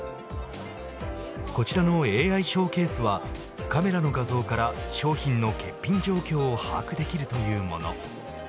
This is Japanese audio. こちらのＡＩショーケースはカメラの画像から商品の欠品状況を把握できるというもの。